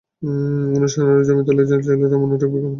অনুষ্ঠান আরও জমিয়ে তোলার জন্য ছিল রম্য নাটক এবং বিজ্ঞাপন বিরতি।